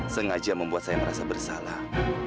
sengaja membuat saya merasa bersalah